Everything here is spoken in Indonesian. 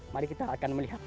mari kita akan melihatnya